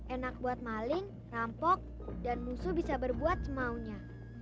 enak buat maling rampok dan musuh bisa berbuat semaunya